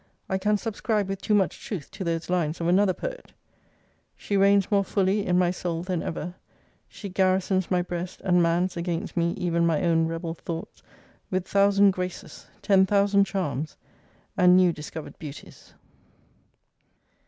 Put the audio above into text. ] I can subscribe with too much truth to those lines of another Poet: She reigns more fully in my soul than ever; She garrisons my breast, and mans against me Ev'n my own rebel thoughts, with thousand graces, Ten thousand charms, and new discovered beauties!